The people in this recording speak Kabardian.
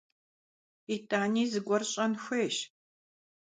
ИтӀани зыгуэр щӀэн хуейщ.